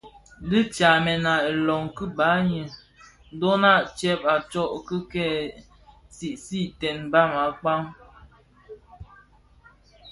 Dhi tsamèn a ilom ki baňi dhona tyèn a tsok ki kè sigsigten mbam akpaň.